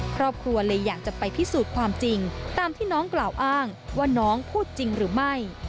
ครอบครัวเลยอยากจะไปพิสูจน์ความจริงตามที่น้องกล่าวอ้างว่าน้องพูดจริงหรือไม่